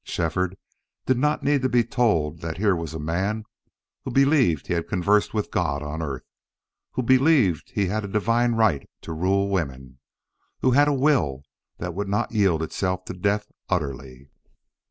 Shefford did not need to be told that here was a man who believed he had conversed with God on earth, who believed he had a divine right to rule women, who had a will that would not yield itself to death utterly.